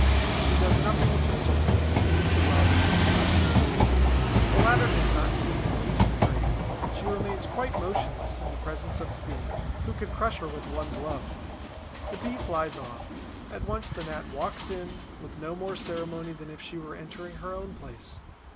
She does nothing of the sort, but leaves the robber in peace. The latter does not seem in the least afraid. She remains quite motionless in the presence of the Bee who could crush her with one blow. The Bee flies off. At once the Gnat walks in, with no more ceremony than if she were entering her own place.